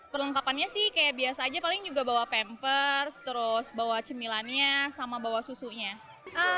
perlengkapannya sih kayak biasa aja paling juga bawa pampers terus bawa cemilannya sama bawa susunya